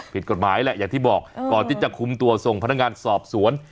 ผิดกฎหมายแหละอย่างที่บอกก่อนที่จะคุมตัวส่งพนักงานสอบสวน